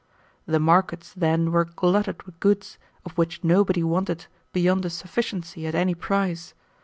The markets then were glutted with goods, of which nobody wanted beyond a sufficiency at any price.